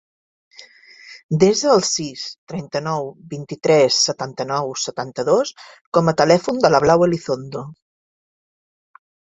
Desa el sis, trenta-nou, vint-i-tres, setanta-nou, setanta-dos com a telèfon de la Blau Elizondo.